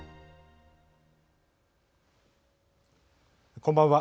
こんばんは。